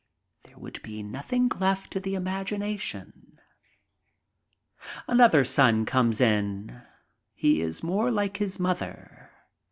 There would be nothing left to the imagination. Another son comes in. He is more like his mother.